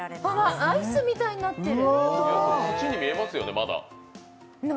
アイスみたいになってる。